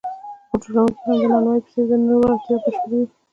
بوټ جوړونکی هم د نانوای په څېر د نورو اړتیاوې بشپړوي